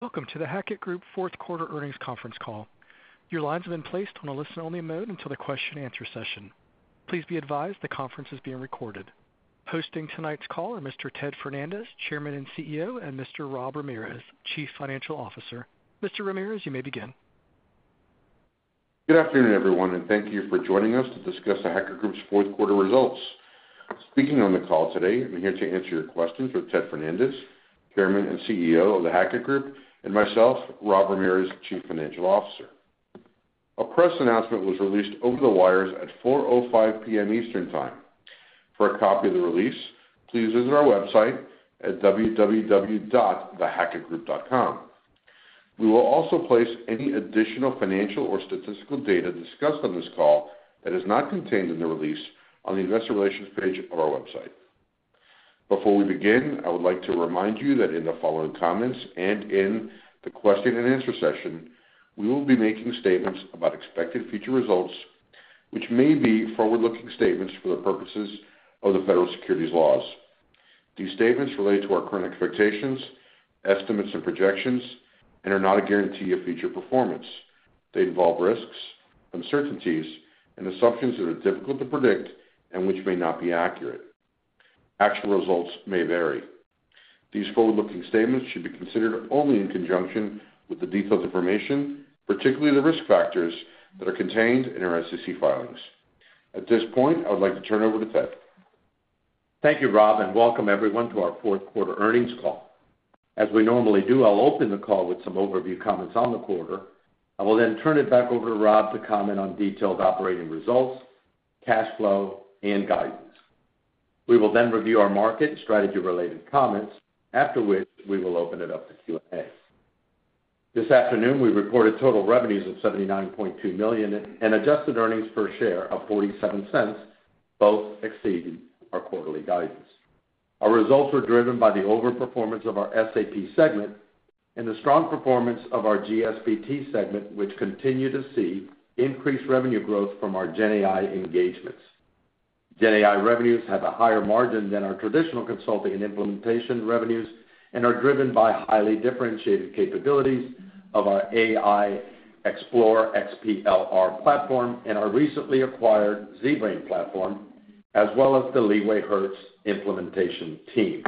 Welcome to The Hackett Group Fourth Quarter Earnings Conference Call. Your lines have been placed on a listen-only mode until the question-and-answer session. Please be advised the conference is being recorded. Hosting tonight's call are Mr. Ted Fernandez, Chairman and CEO, and Mr. Rob Ramirez, Chief Financial Officer. Mr. Ramirez, you may begin. Good afternoon, everyone, and thank you for joining us to discuss the Hackett Group's Fourth Quarter results. Speaking on the call today, I'm here to answer your questions with Ted Fernandez, Chairman and CEO of the Hackett Group, and myself, Rob Ramirez, Chief Financial Officer. A press announcement was released over the wires at 4:05 P.M. Eastern Time. For a copy of the release, please visit our website at www.thehackettgroup.com. We will also place any additional financial or statistical data discussed on this call that is not contained in the release on the Investor Relations page of our website. Before we begin, I would like to remind you that in the following comments and in the question and answer session, we will be making statements about expected future results, which may be forward-looking statements for the purposes of the federal securities laws. These statements relate to our current expectations, estimates, and projections, and are not a guarantee of future performance. They involve risks, uncertainties, and assumptions that are difficult to predict and which may not be accurate. Actual results may vary. These forward-looking statements should be considered only in conjunction with the detailed information, particularly the risk factors that are contained in our SEC filings. At this point, I would like to turn it over to Ted. Thank you, Rob, and welcome everyone to our Fourth Quarter Earnings call. As we normally do, I'll open the call with some overview comments on the quarter. I will then turn it back over to Rob to comment on detailed operating results, cash flow, and guidance. We will then review our market and strategy-related comments, after which we will open it up to Q&A. This afternoon, we reported total revenues of $79.2 million and adjusted earnings per share of $0.47, both exceeding our quarterly guidance. Our results were driven by the overperformance of our SAP segment and the strong performance of our GSBT segment, which continue to see increased revenue growth from our GenAI engagements. GenAI revenues have a higher margin than our traditional consulting and implementation revenues and are driven by highly differentiated capabilities of our AI XPLR platform and our recently acquired ZBrain platform, as well as the LeewayHertz implementation team.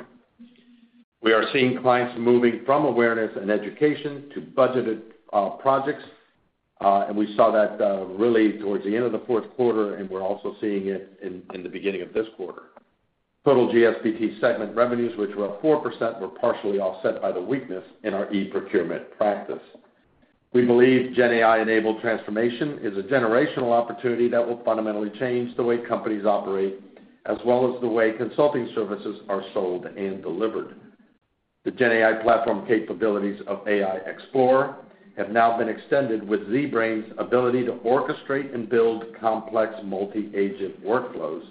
We are seeing clients moving from awareness and education to budgeted projects, and we saw that really towards the end of the fourth quarter, and we're also seeing it in the beginning of this quarter. Total GSBT segment revenues, which were up 4%, were partially offset by the weakness in our e-procurement practice. We believe GenAI-enabled transformation is a generational opportunity that will fundamentally change the way companies operate, as well as the way consulting services are sold and delivered. The GenAI platform capabilities of AI XPLR have now been extended with ZBrain's ability to orchestrate and build complex multi-agent workflows,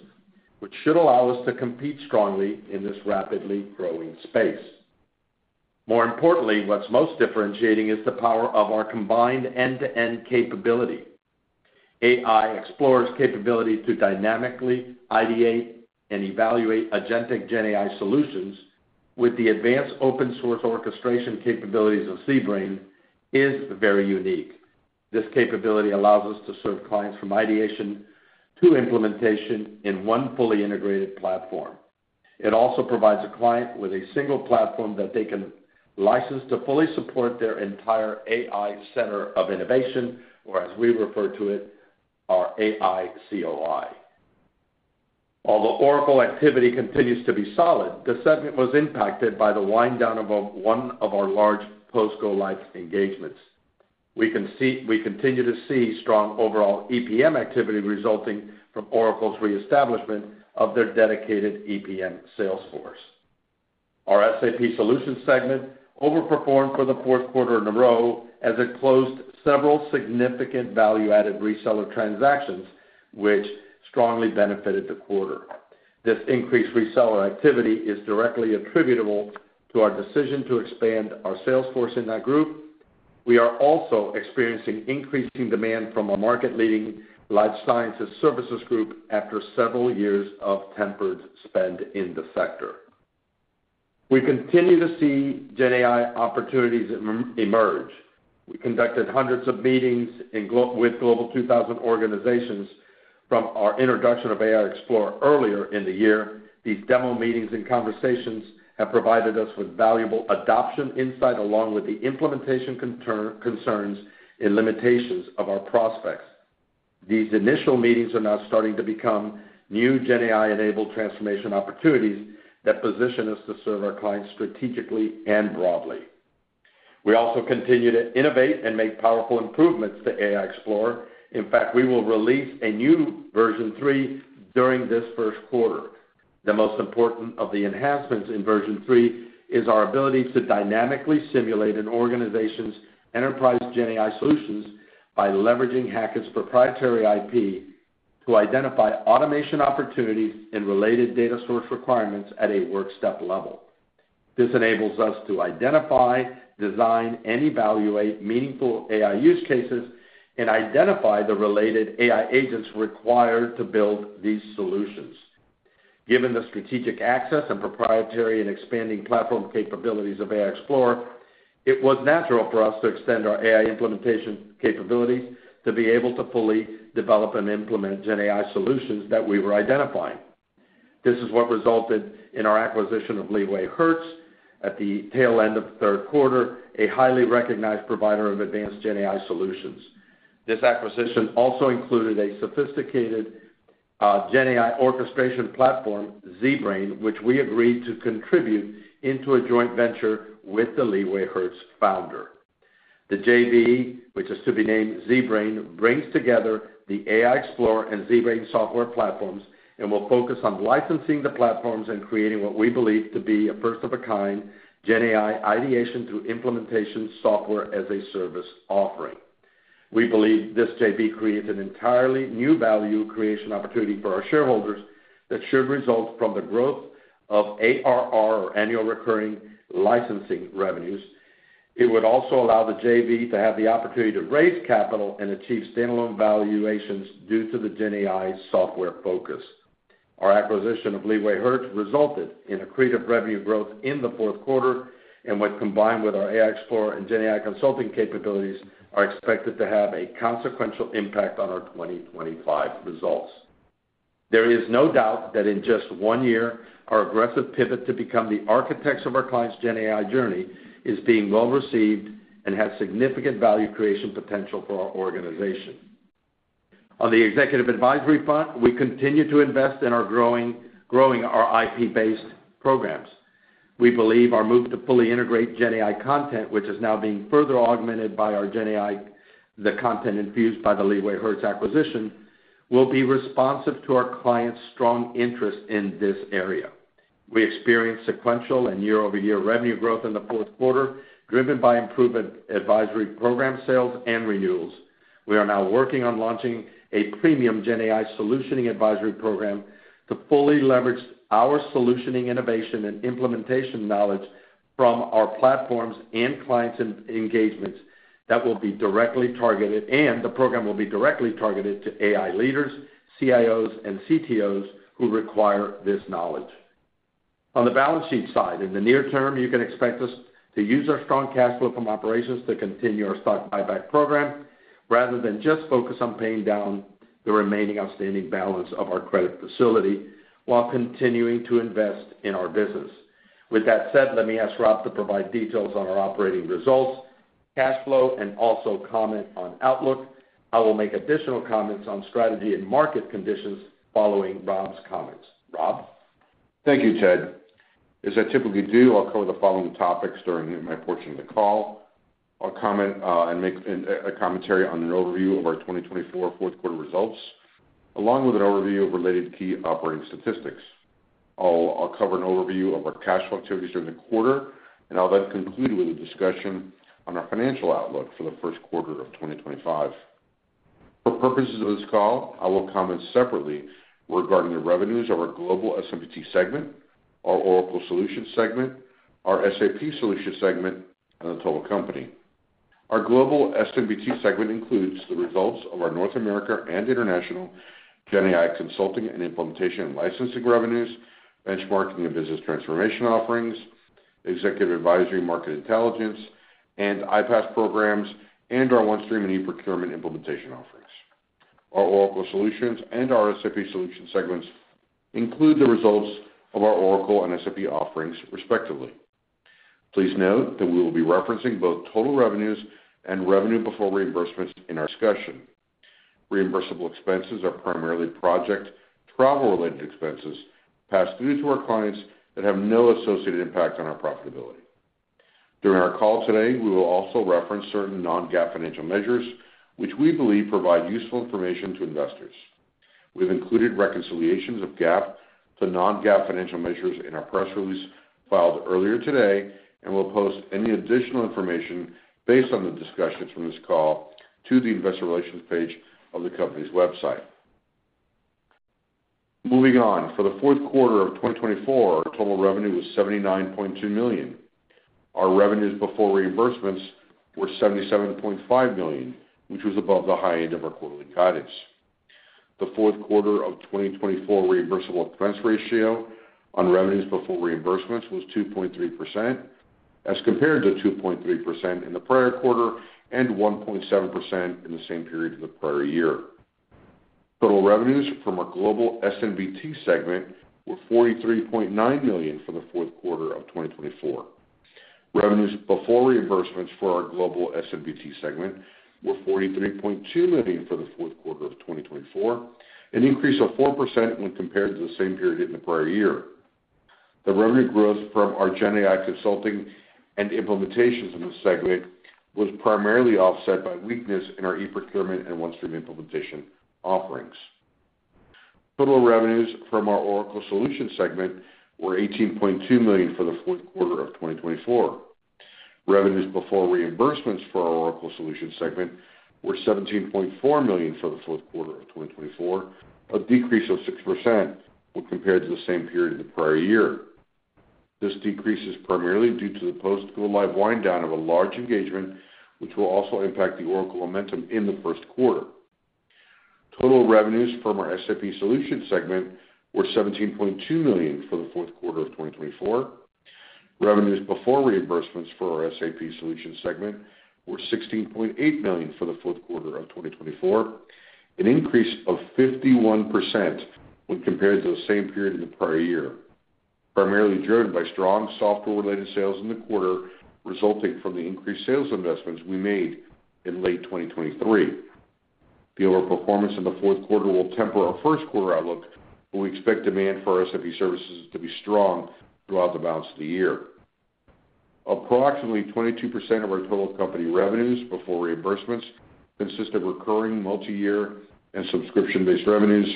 which should allow us to compete strongly in this rapidly growing space. More importantly, what's most differentiating is the power of our combined end-to-end capability. AI XPLR's capability to dynamically ideate and evaluate agentic GenAI solutions with the advanced open-source orchestration capabilities of ZBrain is very unique. This capability allows us to serve clients from ideation to implementation in one fully integrated platform. It also provides a client with a single platform that they can license to fully support their entire AI Center of Innovation, or as we refer to it, our AI COI. Although Oracle activity continues to be solid, the segment was impacted by the wind-down of one of our large post-Go-Live engagements. We continue to see strong overall EPM activity resulting from Oracle's reestablishment of their dedicated EPM sales force. Our SAP Solutions segment overperformed for the fourth quarter in a row as it closed several significant value-added reseller transactions, which strongly benefited the quarter. This increased reseller activity is directly attributable to our decision to expand our sales force in that group. We are also experiencing increasing demand from our market-leading Life Sciences services group after several years of tempered spend in the sector. We continue to see GenAI opportunities emerge. We conducted hundreds of meetings with Global 2000 organizations from our introduction of AI XPLR earlier in the year. These demo meetings and conversations have provided us with valuable adoption insight along with the implementation concerns and limitations of our prospects. These initial meetings are now starting to become new GenAI-enabled transformation opportunities that position us to serve our clients strategically and broadly. We also continue to innovate and make powerful improvements to AI XPLR. In fact, we will release a new Version 3 during this first quarter. The most important of the enhancements in Version 3 is our ability to dynamically simulate an organization's enterprise GenAI solutions by leveraging Hackett's proprietary IP to identify automation opportunities and related data source requirements at a work step level. This enables us to identify, design, and evaluate meaningful AI use cases and identify the related AI agents required to build these solutions. Given the strategic access and proprietary and expanding platform capabilities of AI XPLR, it was natural for us to extend our AI implementation capabilities to be able to fully develop and implement GenAI solutions that we were identifying. This is what resulted in our acquisition of LeewayHertz at the tail end of the third quarter, a highly recognized provider of advanced GenAI solutions. This acquisition also included a sophisticated GenAI orchestration platform, ZBrain, which we agreed to contribute into a joint venture with the LeewayHertz founder. The JV, which is to be named ZBrain, brings together the AI XPLR and ZBrain software platforms and will focus on licensing the platforms and creating what we believe to be a first-of-a-kind GenAI ideation through implementation software as a service offering. We believe this JV creates an entirely new value creation opportunity for our shareholders that should result from the growth of ARR, or annual recurring licensing revenues. It would also allow the JV to have the opportunity to raise capital and achieve standalone valuations due to the GenAI software focus. Our acquisition of LeewayHertz resulted in accretive revenue growth in the fourth quarter, and when combined with our AI XPLR and GenAI consulting capabilities, are expected to have a consequential impact on our 2025 results. There is no doubt that in just one year, our aggressive pivot to become the architects of our client's GenAI journey is being well received and has significant value creation potential for our organization. On the executive advisory front, we continue to invest in our growing IP-based programs. We believe our move to fully integrate GenAI content, which is now being further augmented by our GenAI, the content infused by the LeewayHertz acquisition, will be responsive to our client's strong interest in this area. We experienced sequential and year-over-year revenue growth in the fourth quarter, driven by improved advisory program sales and renewals. We are now working on launching a premium GenAI solutioning advisory program to fully leverage our solutioning innovation and implementation knowledge from our platforms and clients' engagements that will be directly targeted, and the program will be directly targeted to AI leaders, CIOs, and CTOs who require this knowledge. On the balance sheet side, in the near term, you can expect us to use our strong cash flow from operations to continue our stock buyback program rather than just focus on paying down the remaining outstanding balance of our credit facility while continuing to invest in our business. With that said, let me ask Rob to provide details on our operating results, cash flow, and also comment on outlook. I will make additional comments on strategy and market conditions following Rob's comments. Rob? Thank you, Ted. As I typically do, I'll cover the following topics during my portion of the call. I'll comment and make a commentary on an overview of our 2024 fourth quarter results, along with an overview of related key operating statistics. I'll cover an overview of our cash flow activities during the quarter, and I'll then conclude with a discussion on our financial outlook for the first quarter of 2025. For purposes of this call, I will comment separately regarding the revenues of our Global S&BT segment, our Oracle solutions segment, our SAP solutions segment, and the total company. Our Global S&BT segment includes the results of our North America and international GenAI consulting and implementation licensing revenues, benchmarking and business transformation offerings, executive advisory and market intelligence, and IPaaS programs, and our OneStream and e-procurement implementation offerings. Our Oracle Solutions and our SAP Solutions segments include the results of our Oracle and SAP offerings, respectively. Please note that we will be referencing both total revenues and revenue before reimbursements in our discussion. Reimbursable expenses are primarily project travel-related expenses passed through to our clients that have no associated impact on our profitability. During our call today, we will also reference certain non-GAAP financial measures, which we believe provide useful information to investors. We've included reconciliations of GAAP to non-GAAP financial measures in our press release filed earlier today, and we'll post any additional information based on the discussions from this call to the investor relations page of the company's website. Moving on, for the fourth quarter of 2024, our total revenue was $79.2 million. Our revenues before reimbursements were $77.5 million, which was above the high end of our quarterly guidance. The fourth quarter of 2024 reimbursable expense ratio on revenues before reimbursements was 2.3%, as compared to 2.3% in the prior quarter and 1.7% in the same period of the prior year. Total revenues from our Global S&BT segment were $43.9 million for the fourth quarter of 2024. Revenues before reimbursements for our Global S&BT segment were $43.2 million for the fourth quarter of 2024, an increase of 4% when compared to the same period in the prior year. The revenue growth from our GenAI consulting and implementations in the segment was primarily offset by weakness in our e-procurement and OneStream implementation offerings. Total revenues from our Oracle Solutions segment were $18.2 million for the fourth quarter of 2024. Revenues before reimbursements for our Oracle Solutions segment were $17.4 million for the fourth quarter of 2024, a decrease of 6% when compared to the same period in the prior year. This decrease is primarily due to the post-Go-Live wind-down of a large engagement, which will also impact the Oracle momentum in the first quarter. Total revenues from our SAP Solutions segment were $17.2 million for the fourth quarter of 2024. Revenues before reimbursements for our SAP Solutions segment were $16.8 million for the fourth quarter of 2024, an increase of 51% when compared to the same period in the prior year, primarily driven by strong software-related sales in the quarter resulting from the increased sales investments we made in late 2023. The overall performance in the fourth quarter will temper our first quarter outlook, but we expect demand for our SAP services to be strong throughout the balance of the year. Approximately 22% of our total company revenues before reimbursements consist of recurring multi-year and subscription-based revenues,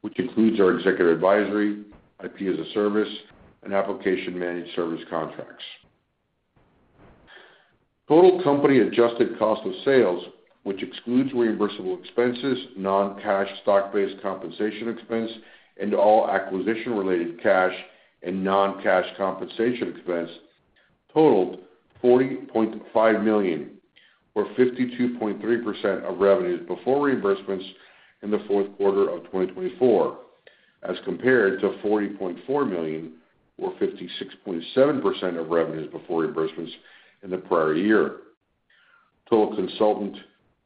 which includes our executive advisory, IP as a Service, and application-managed service contracts. Total company adjusted cost of sales, which excludes reimbursable expenses, non-cash stock-based compensation expense, and all acquisition-related cash and non-cash compensation expense, totaled $40.5 million, or 52.3% of revenues before reimbursements in the fourth quarter of 2024, as compared to $40.4 million, or 56.7% of revenues before reimbursements in the prior year. Total consultant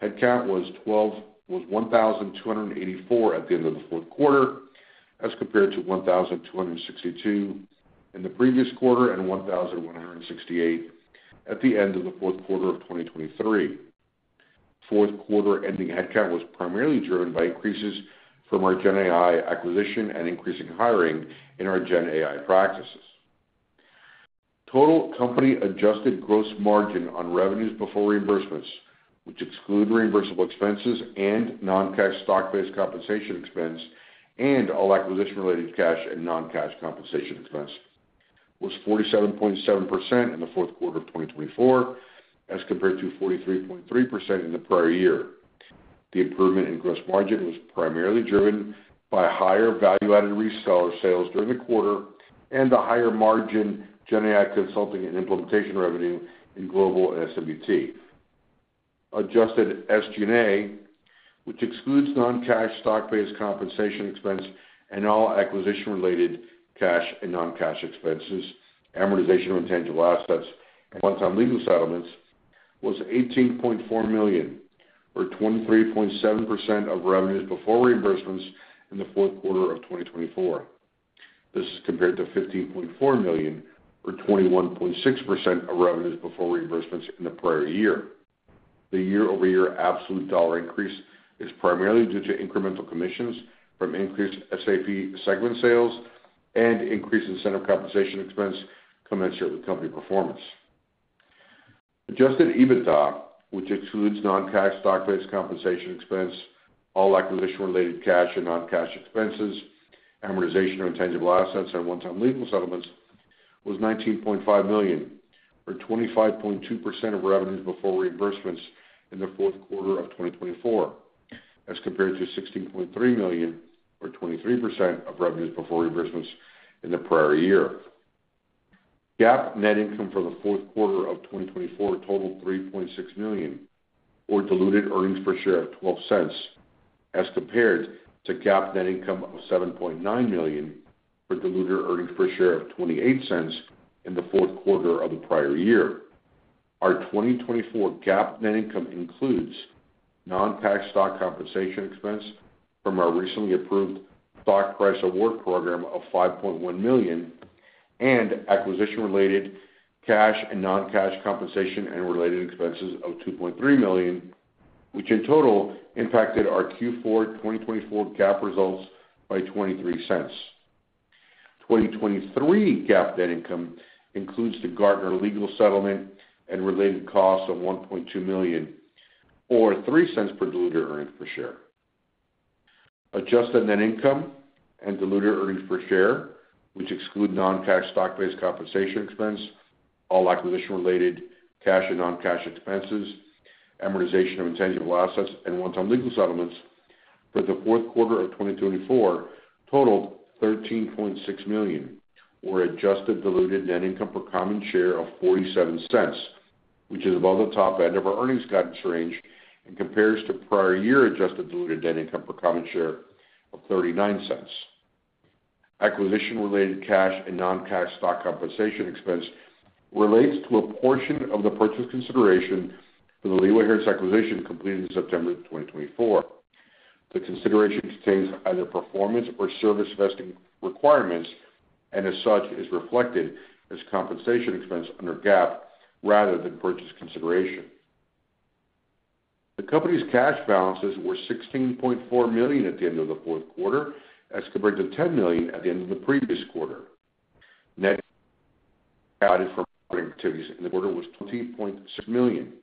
headcount was 1,284 at the end of the fourth quarter, as compared to 1,262 in the previous quarter and 1,168 at the end of the fourth quarter of 2023. Fourth quarter ending headcount was primarily driven by increases from our GenAI acquisition and increasing hiring in our GenAI practices. Total company adjusted gross margin on revenues before reimbursements, which excludes reimbursable expenses and non-cash stock-based compensation expense and all acquisition-related cash and non-cash compensation expense, was 47.7% in the fourth quarter of 2024, as compared to 43.3% in the prior year. The improvement in gross margin was primarily driven by higher value-added reseller sales during the quarter and the higher margin GenAI consulting and implementation revenue in Global S&BT. Adjusted SG&A, which excludes non-cash stock-based compensation expense and all acquisition-related cash and non-cash expenses, amortization of intangible assets, and one-time legal settlements, was $18.4 million, or 23.7% of revenues before reimbursements in the fourth quarter of 2024. This is compared to $15.4 million, or 21.6% of revenues before reimbursements in the prior year. The year-over-year absolute dollar increase is primarily due to incremental commissions from increased SAP segment sales and increased incentive compensation expense commensurate with company performance. Adjusted EBITDA, which excludes non-cash stock-based compensation expense, all acquisition-related cash and non-cash expenses, amortization of intangible assets, and one-time legal settlements, was $19.5 million, or 25.2% of revenues before reimbursements in the fourth quarter of 2024, as compared to $16.3 million, or 23% of revenues before reimbursements in the prior year. GAAP net income for the fourth quarter of 2024 totaled $3.6 million, or diluted earnings per share of $0.12, as compared to GAAP net income of $7.9 million, or diluted earnings per share of $0.28 in the fourth quarter of the prior year. Our 2024 GAAP net income includes non-cash stock compensation expense from our recently approved stock price award program of $5.1 million, and acquisition-related cash and non-cash compensation and related expenses of $2.3 million, which in total impacted our Q4 2024 GAAP results by $0.23. 2023 GAAP net income includes the Gartner legal settlement and related costs of $1.2 million, or $0.03 per diluted earnings per share. Adjusted net income and diluted earnings per share, which exclude non-cash stock-based compensation expense, all acquisition-related cash and non-cash expenses, amortization of intangible assets, and one-time legal settlements for the fourth quarter of 2024, totaled $13.6 million, or adjusted diluted net income per common share of $0.47, which is above the top end of our earnings guidance range and compares to prior year adjusted diluted net income per common share of $0.39. Acquisition-related cash and non-cash stock compensation expense relates to a portion of the purchase consideration for the LeewayHertz acquisition completed in September 2024. The consideration contains either performance or service vesting requirements, and as such is reflected as compensation expense under GAAP rather than purchase consideration. The company's cash balances were $16.4 million at the end of the fourth quarter, as compared to $10 million at the end of the previous quarter. Net income added from operating activities in the quarter was $20.6 million,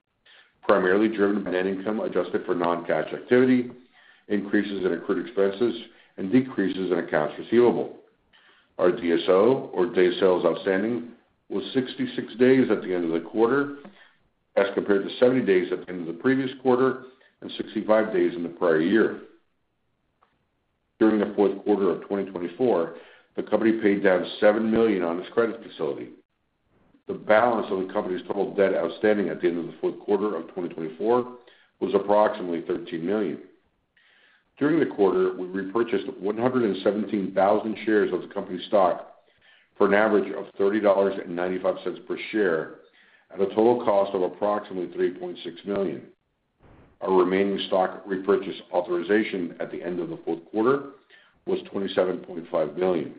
primarily driven by net income adjusted for non-cash activity, increases in accrued expenses, and decreases in accounts receivable. Our DSO, or Days Sales Outstanding, was 66 days at the end of the quarter, as compared to 70 days at the end of the previous quarter and 65 days in the prior year. During the fourth quarter of 2024, the company paid down $7 million on its credit facility. The balance of the company's total debt outstanding at the end of the fourth quarter of 2024 was approximately $13 million. During the quarter, we repurchased 117,000 shares of the company's stock for an average of $30.95 per share at a total cost of approximately $3.6 million. Our remaining stock repurchase authorization at the end of the fourth quarter was $27.5 million.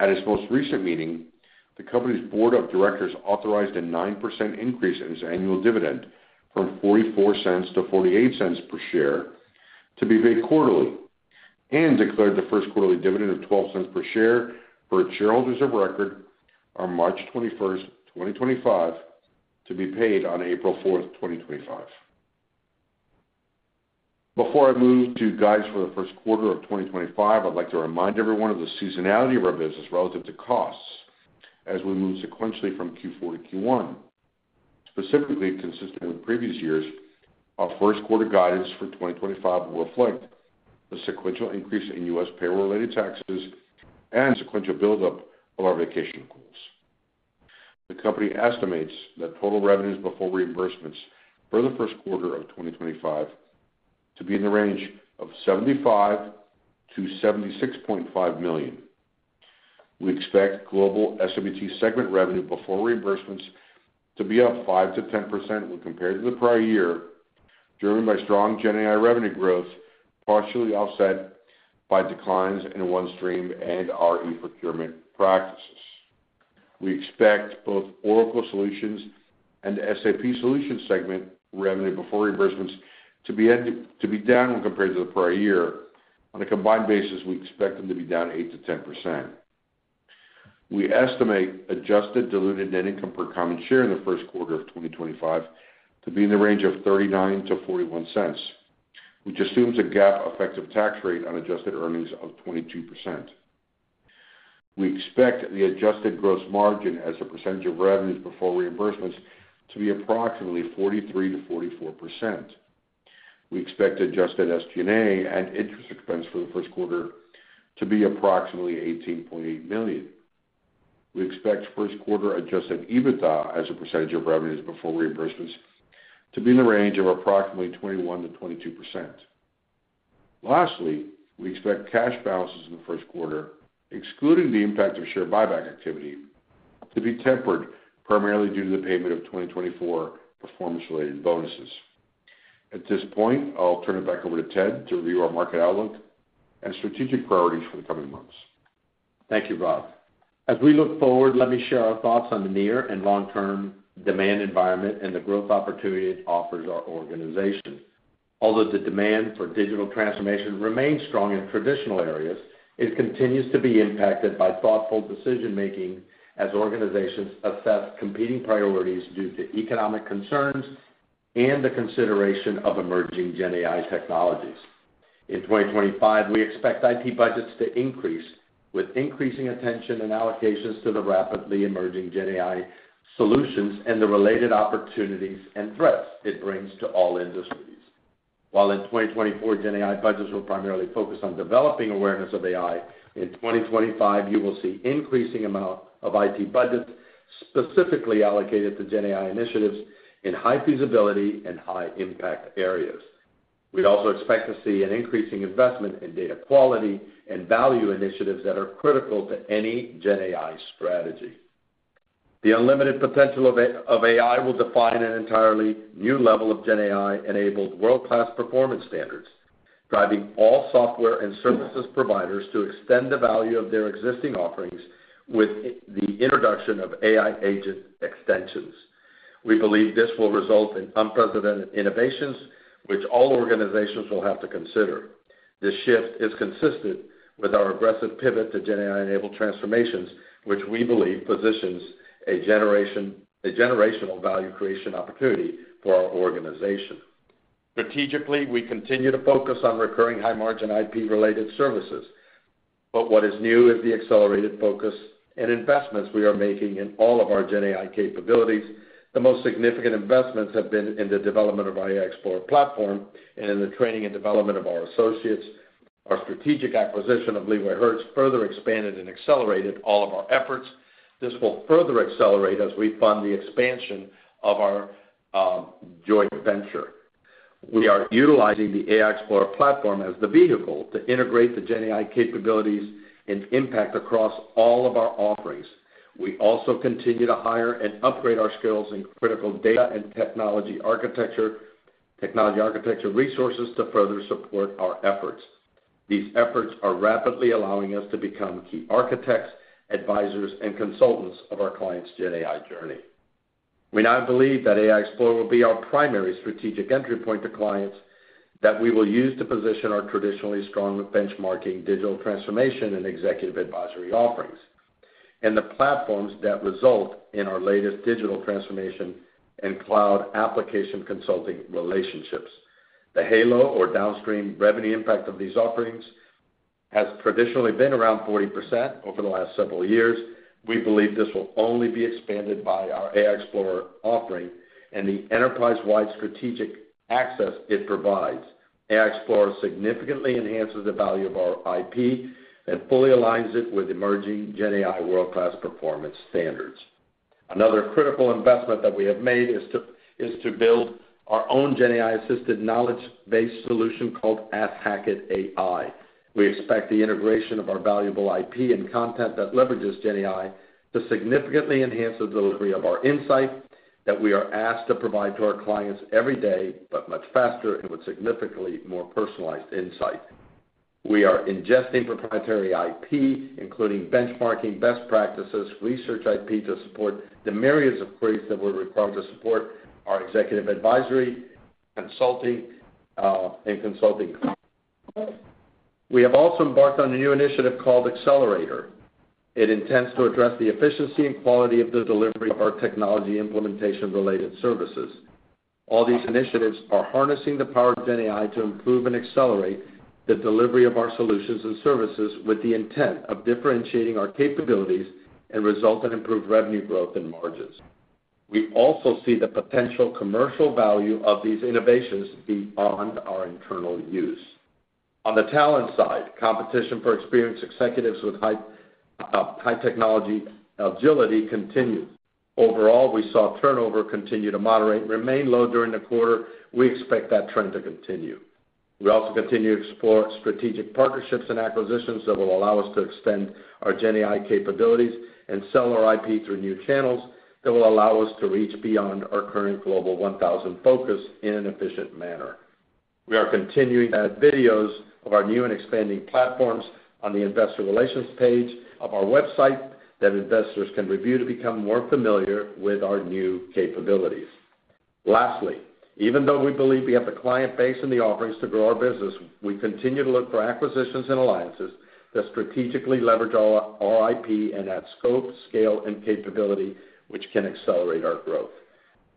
At its most recent meeting, the company's board of directors authorized a 9% increase in its annual dividend from $0.44 to $0.48 per share to be paid quarterly and declared the first quarterly dividend of $0.12 per share for its shareholders of record on March 21, 2025, to be paid on April 4, 2025. Before I move to guidance for the first quarter of 2025, I'd like to remind everyone of the seasonality of our business relative to costs as we move sequentially from Q4 to Q1. Specifically, consistent with previous years, our first quarter guidance for 2025 will reflect the sequential increase in U.S. payroll-related taxes and sequential build-up of our vacation accruals. The company estimates that total revenues before reimbursements for the first quarter of 2025 to be in the range of $75.0-$76.5 million. We expect Global S&BT segment revenue before reimbursements to be up 5%-10% when compared to the prior year, driven by strong GenAI revenue growth partially offset by declines in OneStream and our e-procurement practices. We expect both Oracle Solutions and SAP Solutions segment revenue before reimbursements to be down when compared to the prior year. On a combined basis, we expect them to be down 8%-10%. We estimate adjusted diluted net income per common share in the first quarter of 2025 to be in the range of $0.39-$0.41, which assumes a GAAP effective tax rate on adjusted earnings of 22%. We expect the adjusted gross margin as a percentage of revenues before reimbursements to be approximately 43-44%. We expect adjusted SG&A and interest expense for the first quarter to be approximately $18.8 million. We expect first quarter adjusted EBITDA as a percentage of revenues before reimbursements to be in the range of approximately 21-22%. Lastly, we expect cash balances in the first quarter, excluding the impact of share buyback activity, to be tempered primarily due to the payment of 2024 performance-related bonuses. At this point, I'll turn it back over to Ted to review our market outlook and strategic priorities for the coming months. Thank you, Rob. As we look forward, let me share our thoughts on the near and long-term demand environment and the growth opportunity it offers our organization. Although the demand for digital transformation remains strong in traditional areas, it continues to be impacted by thoughtful decision-making as organizations assess competing priorities due to economic concerns and the consideration of emerging GenAI technologies. In 2025, we expect IP budgets to increase with increasing attention and allocations to the rapidly emerging GenAI solutions and the related opportunities and threats it brings to all industries. While in 2024, GenAI budgets were primarily focused on developing awareness of AI, in 2025, you will see an increasing amount of IP budgets specifically allocated to GenAI initiatives in high feasibility and high impact areas. We also expect to see an increasing investment in data quality and value initiatives that are critical to any GenAI strategy. The unlimited potential of AI will define an entirely new level of GenAI-enabled world-class performance standards, driving all software and services providers to extend the value of their existing offerings with the introduction of AI agent extensions. We believe this will result in unprecedented innovations, which all organizations will have to consider. This shift is consistent with our aggressive pivot to GenAI-enabled transformations, which we believe positions a generational value creation opportunity for our organization. Strategically, we continue to focus on recurring high-margin IP-related services, but what is new is the accelerated focus and investments we are making in all of our GenAI capabilities. The most significant investments have been in the development of our AI XPLR platform and in the training and development of our associates. Our strategic acquisition of LeewayHertz further expanded and accelerated all of our efforts. This will further accelerate as we fund the expansion of our joint venture. We are utilizing the AI XPLR platform as the vehicle to integrate the GenAI capabilities and impact across all of our offerings. We also continue to hire and upgrade our skills in critical data and technology architecture resources to further support our efforts. These efforts are rapidly allowing us to become key architects, advisors, and consultants of our clients' GenAI journey. We now believe that AI XPLR will be our primary strategic entry point to clients that we will use to position our traditionally strong benchmarking digital transformation and executive advisory offerings and the platforms that result in our latest digital transformation and cloud application consulting relationships. The halo or downstream revenue impact of these offerings has traditionally been around 40% over the last several years. We believe this will only be expanded by our AI XPLR offering and the enterprise-wide strategic access it provides. AI XPLR significantly enhances the value of our IP and fully aligns it with emerging GenAI world-class performance standards. Another critical investment that we have made is to build our own GenAI-assisted knowledge-based solution called Ask Hackett AI. We expect the integration of our valuable IP and content that leverages GenAI to significantly enhance the delivery of our insight that we are asked to provide to our clients every day, but much faster and with significantly more personalized insight. We are ingesting proprietary IP, including benchmarking best practices, research IP to support the myriads of queries that we're required to support our executive advisory, consulting, and consulting clients. We have also embarked on a new initiative called Accelerator. It intends to address the efficiency and quality of the delivery of our technology implementation-related services. All these initiatives are harnessing the power of GenAI to improve and accelerate the delivery of our solutions and services with the intent of differentiating our capabilities and resulting in improved revenue growth and margins. We also see the potential commercial value of these innovations beyond our internal use. On the talent side, competition for experienced executives with high technology agility continues. Overall, we saw turnover continue to moderate and remain low during the quarter. We expect that trend to continue. We also continue to explore strategic partnerships and acquisitions that will allow us to extend our GenAI capabilities and sell our IP through new channels that will allow us to reach beyond our current Global 1000 focus in an efficient manner. We are continuing to add videos of our new and expanding platforms on the investor relations page of our website that investors can review to become more familiar with our new capabilities. Lastly, even though we believe we have the client base and the offerings to grow our business, we continue to look for acquisitions and alliances that strategically leverage our IP and add scope, scale, and capability, which can accelerate our growth.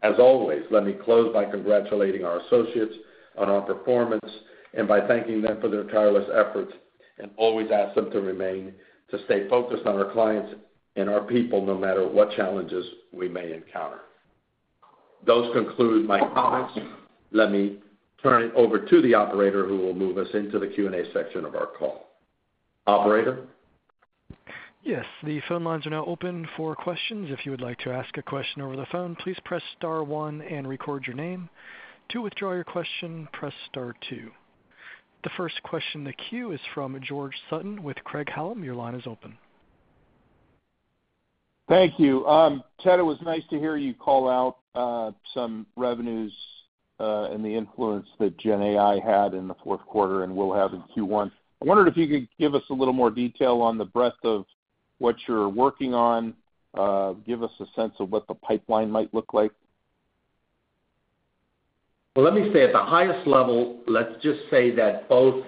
As always, let me close by congratulating our associates on our performance and by thanking them for their tireless efforts and always ask them to remain and stay focused on our clients and our people no matter what challenges we may encounter. That concludes my comments. Let me turn it over to the operator who will move us into the Q&A section of our call. Operator? Yes. The phone lines are now open for questions. If you would like to ask a question over the phone, please press star one and record your name. To withdraw your question, press star two. The first question in the queue is from George Sutton with Craig-Hallum. Your line is open. Thank you. Ted, it was nice to hear you call out some revenues and the influence that GenAI had in the fourth quarter and will have in Q1. I wondered if you could give us a little more detail on the breadth of what you're working on, give us a sense of what the pipeline might look like. Well, let me say at the highest level, let's just say that both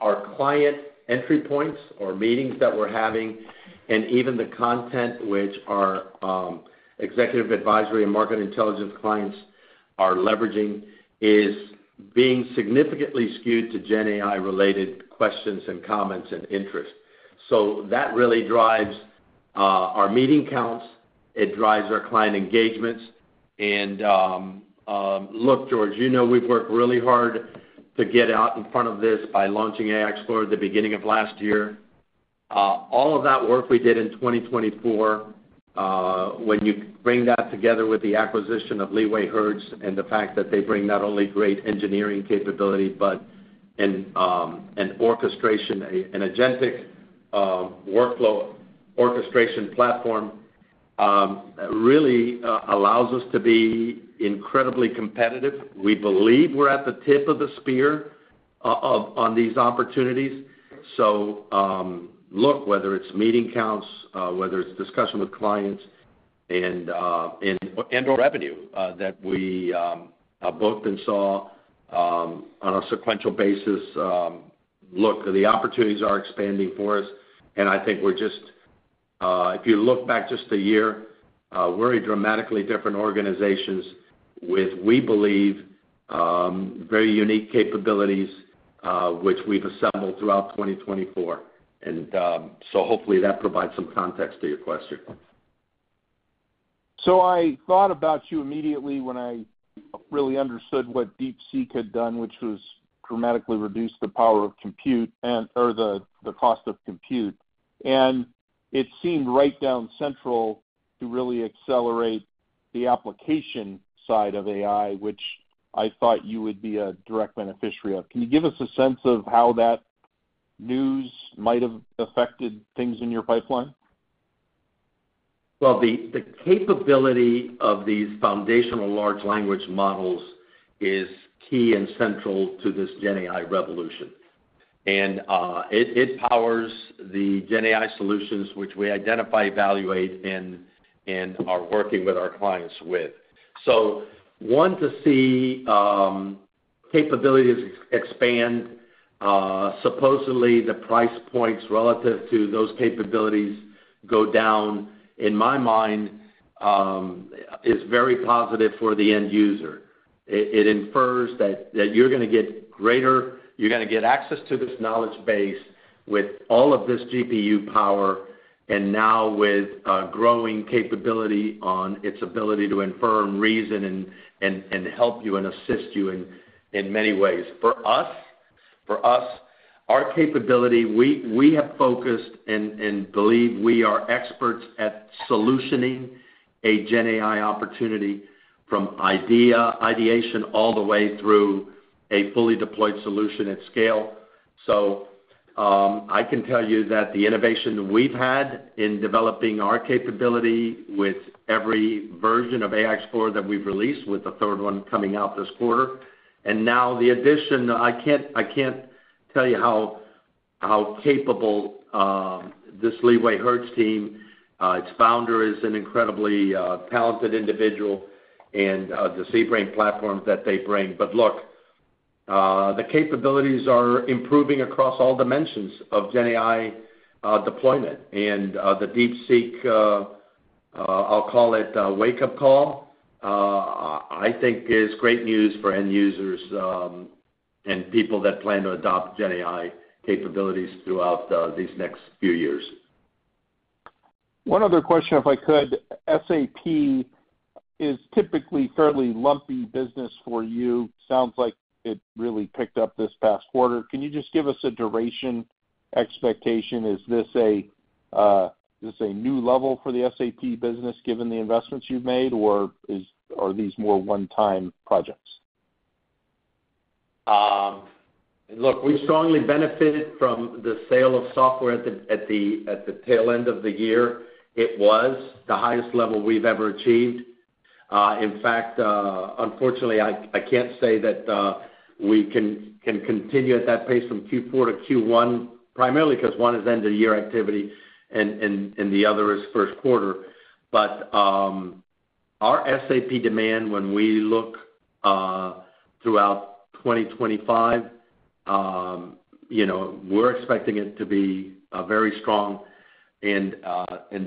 our client entry points or meetings that we're having and even the content which our executive advisory and market intelligence clients are leveraging is being significantly skewed to GenAI-related questions and comments and interest. So that really drives our meeting counts. It drives our client engagements, and look, George, you know we've worked really hard to get out in front of this by launching AI XPLR at the beginning of last year. All of that work we did in 2024, when you bring that together with the acquisition of LeewayHertz and the fact that they bring not only great engineering capability but an orchestration, an agentic workflow orchestration platform, really allows us to be incredibly competitive. We believe we're at the tip of the spear on these opportunities, so look, whether it's meeting counts, whether it's discussion with clients, and revenue that we have both been seeing on a sequential basis, look, the opportunities are expanding for us. And I think we're just, if you look back just a year, we're a dramatically different organization with, we believe, very unique capabilities which we've assembled throughout 2024. And so hopefully that provides some context to your question. So I thought about you immediately when I really understood what DeepSeek had done, which was dramatically reduce the power of compute or the cost of compute. And it seemed right down central to really accelerate the application side of AI, which I thought you would be a direct beneficiary of. Can you give us a sense of how that news might have affected things in your pipeline? Well, the capability of these foundational large language models is key and central to this GenAI revolution. And it powers the GenAI solutions which we identify, evaluate, and are working with our clients with. So, one to see capabilities expand, supposedly the price points relative to those capabilities go down, in my mind, is very positive for the end user. It infers that you're going to get greater, you're going to get access to this knowledge base with all of this GPU power and now with growing capability on its ability to infer and reason and help you and assist you in many ways. For us, our capability, we have focused and believe we are experts at solutioning a GenAI opportunity from ideation all the way through a fully deployed solution at scale. So I can tell you that the innovation we've had in developing our capability with every version of AI XPLR that we've released with the third one coming out this quarter. And now the addition. I can't tell you how capable this LeewayHertz team, its founder is an incredibly talented individual and the ZBrain platforms that they bring. But look, the capabilities are improving across all dimensions of GenAI deployment. And the DeepSeek, I'll call it wake-up call, I think is great news for end users and people that plan to adopt GenAI capabilities throughout these next few years. One other question, if I could. SAP is typically fairly lumpy business for you. Sounds like it really picked up this past quarter. Can you just give us a duration expectation? Is this a new level for the SAP business given the investments you've made, or are these more one-time projects? Look, we strongly benefit from the sale of software at the tail end of the year. It was the highest level we've ever achieved. In fact, unfortunately, I can't say that we can continue at that pace from Q4-Q1, primarily because one is end-of-year activity and the other is first quarter. But our SAP demand, when we look throughout 2025, we're expecting it to be very strong. And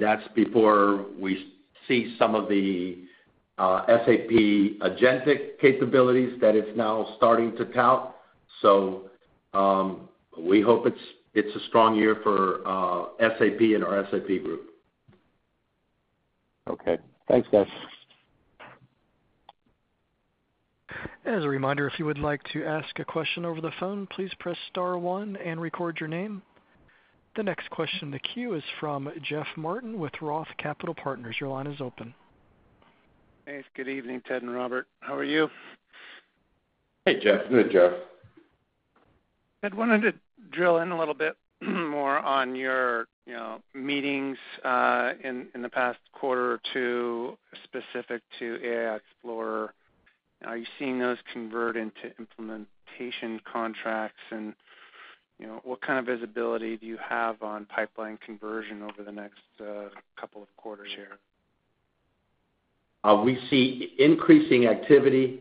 that's before we see some of the SAP agentic capabilities that it's now starting to tout. So we hope it's a strong year for SAP and our SAP group. Okay. Thanks, guys. As a reminder, if you would like to ask a question over the phone, please press star one and record your name. The next question in the queue is from Jeff Martin with Roth Capital Partners. Your line is open. Hey, it's good evening, Ted and Robert. How are you? Hey, Jeff. Good, Jeff. I wanted to drill in a little bit more on your meetings in the past quarter or two specific to AI XPLR. Are you seeing those convert into implementation contracts? And what kind of visibility do you have on pipeline conversion over the next couple of quarters here? We see increasing activity,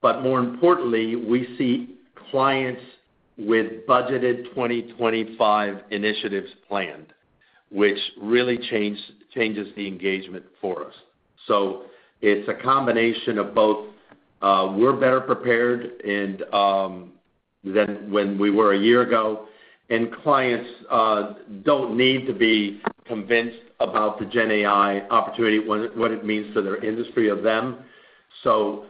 but more importantly, we see clients with budgeted 2025 initiatives planned, which really changes the engagement for us. So it's a combination of both. We're better prepared than when we were a year ago. And clients don't need to be convinced about the GenAI opportunity, what it means for their industry or them. So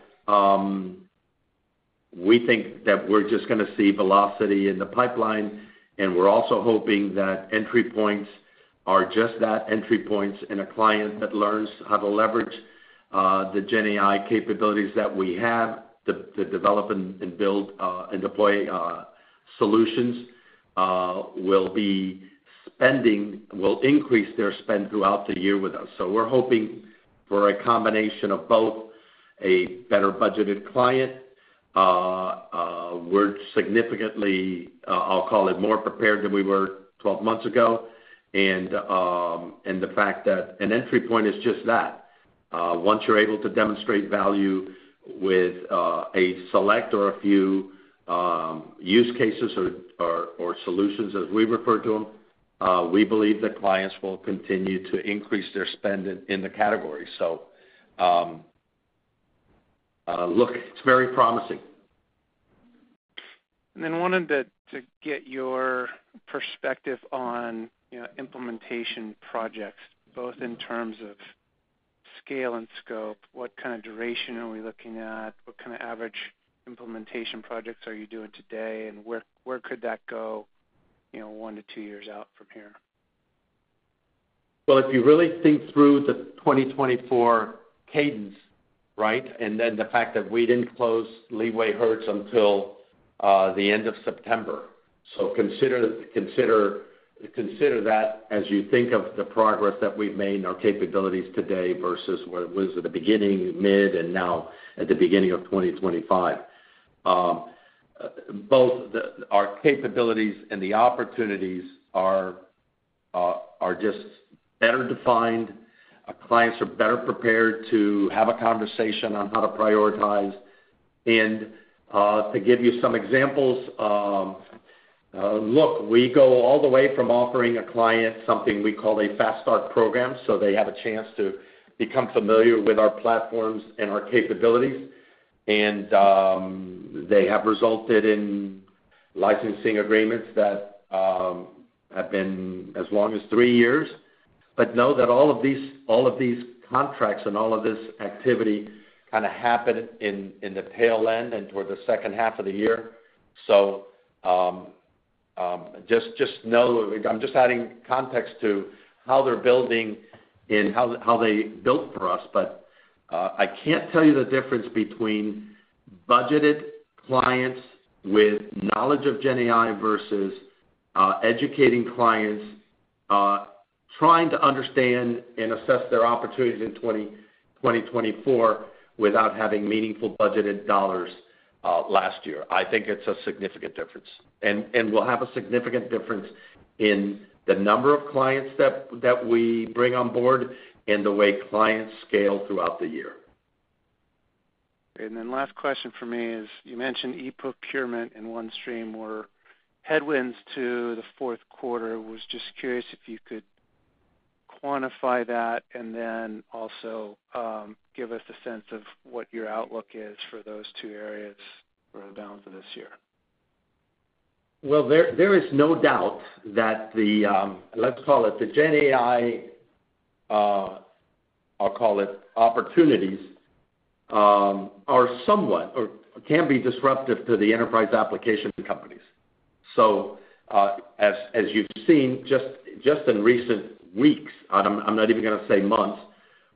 we think that we're just going to see velocity in the pipeline. And we're also hoping that entry points are just that, entry points and a client that learns how to leverage GenAI capabilities that we have, to develop and build and deploy solutions will increase their spend throughout the year with us. So we're hoping for a combination of both, a better budgeted client. We're significantly, I'll call it more prepared than we were 12 months ago. And the fact that an entry point is just that. Once you're able to demonstrate value with a select or a few use cases or solutions, as we refer to them, we believe that clients will continue to increase their spend in the category. So look, it's very promising. And then wanted to get your perspective on implementation projects, both in terms of scale and scope. What kind of duration are we looking at? What kind of average implementation projects are you doing today? And where could that go one to two years out from here? Well, if you really think through the 2024 cadence, right, and then the fact that we didn't close LeewayHertz until the end of September. So consider that as you think of the progress that we've made in our capabilities today versus what was at the beginning, mid, and now at the beginning of 2025. Both our capabilities and the opportunities are just better defined. Clients are better prepared to have a conversation on how to prioritize. And to give you some examples, look, we go all the way from offering a client something we call a fast start program so they have a chance to become familiar with our platforms and our capabilities. They have resulted in licensing agreements that have been as long as three years. Know that all of these contracts and all of this activity kind of happen in the tail end and toward the second half of the year. Just know I'm just adding context to how they're building and how they built for us. I can't tell you the difference between budgeted clients with knowledge of GenAI versus educating clients, trying to understand and assess their opportunities in 2024 without having meaningful budgeted dollars last year. I think it's a significant difference. We'll have a significant difference in the number of clients that we bring on board and the way clients scale throughout the year. Then last question for me is you mentioned e-procurement and OneStream were headwinds to the fourth quarter. I was just curious if you could quantify that and then also give us a sense of what your outlook is for those two areas for the balance of this year. Well, there is no doubt that the, let's call it the GenAI. I'll call it opportunities, are somewhat or can be disruptive to the enterprise application companies. So as you've seen just in recent weeks, I'm not even going to say months,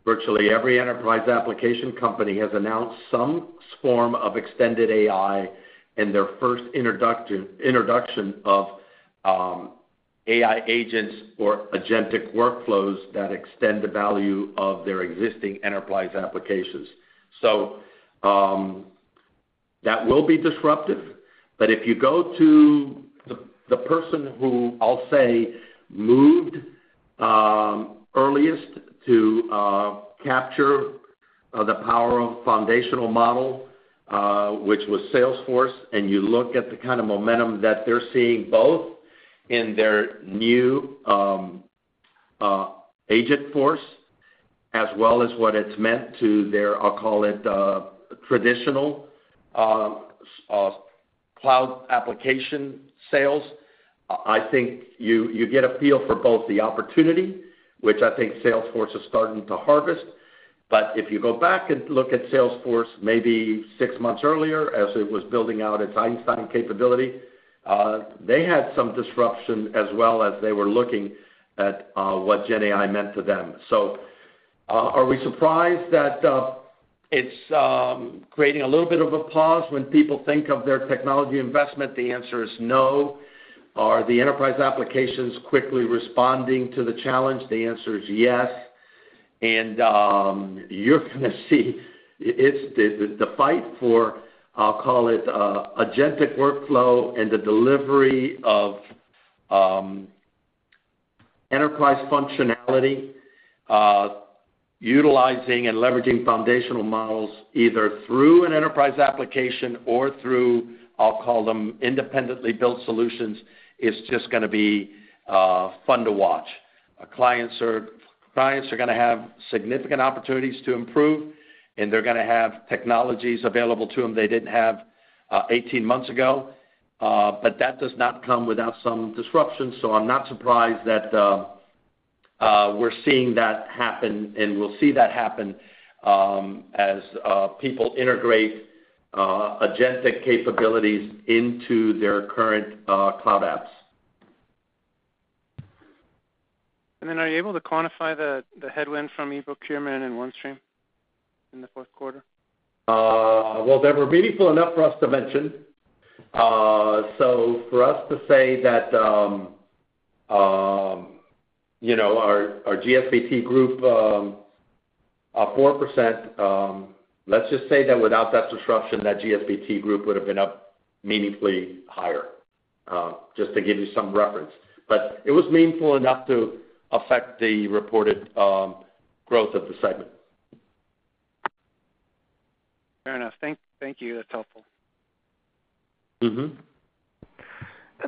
virtually every enterprise application company has announced some form of extended AI and their first introduction of AI agents or agentic workflows that extend the value of their existing enterprise applications. So that will be disruptive. But if you go to the person who, I'll say, moved earliest to capture the power of foundational model, which was Salesforce, and you look at the kind of momentum that they're seeing both in their new Agentforce as well as what it's meant to their, I'll call it traditional cloud application sales, I think you get a feel for both the opportunity, which I think Salesforce is starting to harvest. But if you go back and look at Salesforce maybe six months earlier as it was building out its Einstein capability, they had some disruption as well as they were looking at GenAI meant to them. So are we surprised that it's creating a little bit of a pause when people think of their technology investment? The answer is no. Are the enterprise applications quickly responding to the challenge? The answer is yes. And you're going to see the fight for, I'll call it agentic workflow and the delivery of enterprise functionality, utilizing and leveraging foundational models either through an enterprise application or through, I'll call them independently built solutions, is just going to be fun to watch. Clients are going to have significant opportunities to improve, and they're going to have technologies available to them they didn't have 18 months ago. But that does not come without some disruption. So I'm not surprised that we're seeing that happen. And we'll see that happen as people integrate agentic capabilities into their current cloud apps. And then are you able to quantify the headwind from e-procurement and OneStream in the fourth quarter? Well, they were meaningful enough for us to mention. So for us to say that our Global S&BT group, 4%, let's just say that without that disruption, that Global S&BT group would have been up meaningfully higher, just to give you some reference. But it was meaningful enough to affect the reported growth of the segment. Fair enough. Thank you. That's helpful. And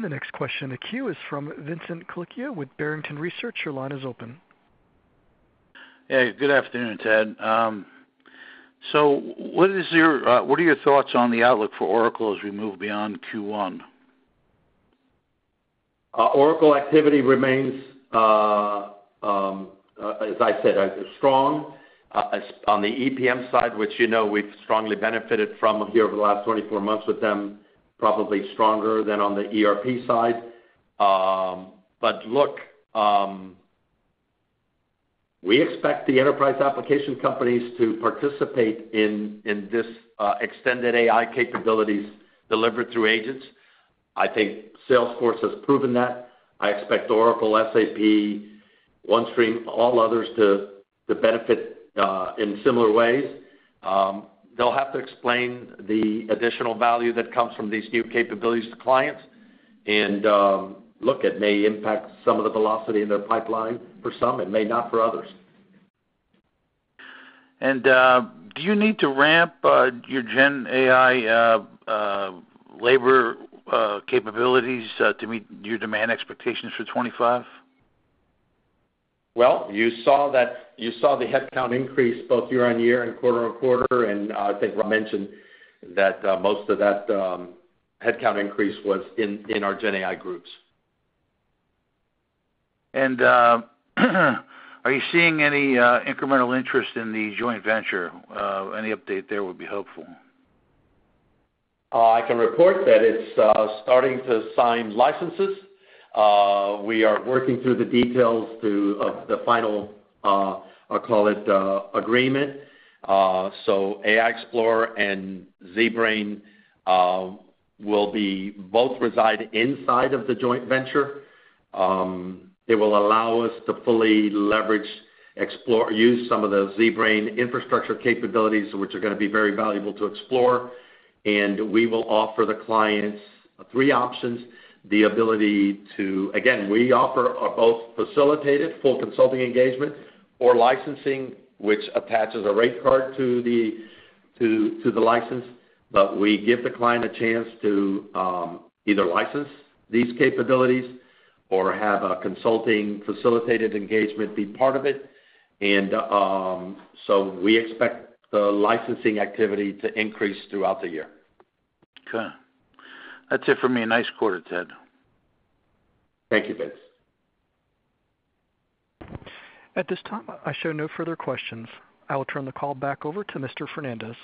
the next question in the queue is from Vincent Colicchio with Barrington Research. Your line is open. Hey, good afternoon, Ted. So what are your thoughts on the outlook for Oracle as we move beyond Q1? Oracle activity remains, as I said, strong. On the EPM side, which we've strongly benefited from here over the last 24 months with them, probably stronger than on the ERP side. But look, we expect the enterprise application companies to participate in this extended AI capabilities delivered through agents. I think Salesforce has proven that. I expect Oracle, SAP, OneStream, all others to benefit in similar ways. They'll have to explain the additional value that comes from these new capabilities to clients. And look, it may impact some of the velocity in their pipeline for some and may not for others. And do you need to ramp GenAI labor capabilities to meet your demand expectations for 2025? Well, you saw the headcount increase both year on year and quarter on quarter. And I think I mentioned that most of that headcount increase was in GenAI groups. And are you seeing any incremental interest in the joint venture? Any update there would be helpful. I can report that it's starting to sign licenses. We are working through the details of the final, I'll call it agreement. So AI XPLR and ZBrain will both reside inside of the joint venture. It will allow us to fully leverage, use some of the ZBrain infrastructure capabilities, which are going to be very valuable to AI XPLR. And we will offer the clients three options: the ability to, again, we offer both facilitated full consulting engagement or licensing, which attaches a rate card to the license. But we give the client a chance to either license these capabilities or have a consulting facilitated engagement be part of it. And so we expect the licensing activity to increase throughout the year. Okay. That's it for me. Nice quarter, Ted. Thank you, Vince. At this time, I show no further questions. I will turn the call back over to Mr. Fernandez.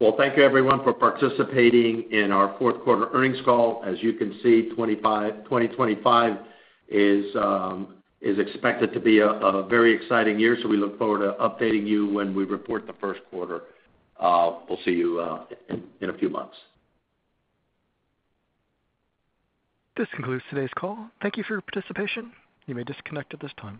Well, thank you, everyone, for participating in our fourth quarter earnings call. As you can see, 2025 is expected to be a very exciting year. So we look forward to updating you when we report the first quarter. We'll see you in a few months. This concludes today's call. Thank you for your participation. You may disconnect at this time.